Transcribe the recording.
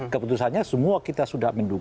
keputusannya semua kita sudah mendukung